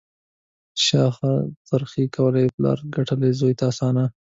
شا خرڅي کوي: پلار ګټلي، زوی ته اسانه.